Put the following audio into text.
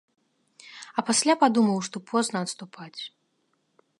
А пасля падумаў што позна адступаць.